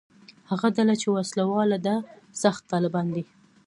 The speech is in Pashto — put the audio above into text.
هغه ډله چې وسله واله ده «سخت طالبان» دي.